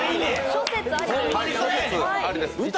諸説ありです。